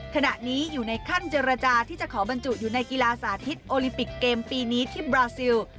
ขณะนี้อยู่ในขั้นเจรจาที่จะขอบรรจุอยู่ในกีฬาสาธิตโอลิปิกเกมปีนี้ที่บราซิล